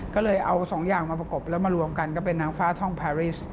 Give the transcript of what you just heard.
ก็เลยเอาสองอย่างมาประกบแล้วมารวมกันก็เป็นนางฟ้าท่องพาริส